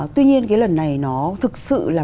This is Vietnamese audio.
tuy nhiên cái lần này nó thực sự là